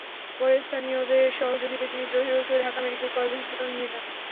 পরে স্থানীয়দের সহযোগিতায় তিনি জহিরুলকে ঢাকা মেডিকেল কলেজ হাসপাতালে নিয়ে যান।